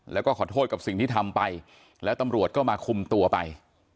แล้วก็ขอโทษกับสิ่งที่ทำไปแล้วตำรวจก็มาคุมตัวไป